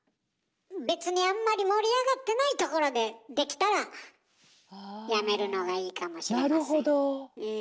別にあんまり盛り上がってないところでできたらやめるのがいいかもしれません。